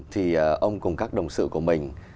thì ông cùng các đồng sự của mình